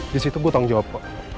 disitu gue tanggung jawab